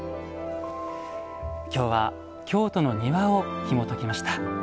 きょうは「京都の庭」をひもときました。